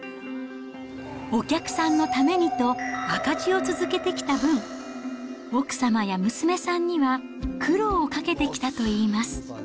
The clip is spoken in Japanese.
お客さんのためにと、赤字を続けてきた分、奥様や娘さんには苦労をかけてきたといいます。